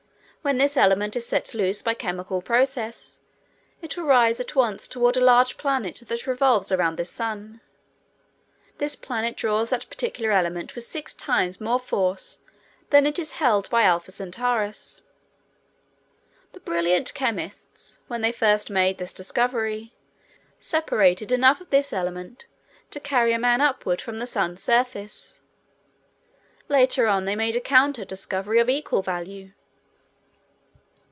When this element is set loose by chemical process, it will rise at once toward a large planet that revolves around this sun. This planet draws that particular element with six times more force than it is held by Alpha Centaurus. The brilliant chemists, when they first made this discovery, separated enough of this element to carry a man upward from the sun's surface. Later on they made a counter discovery of equal value.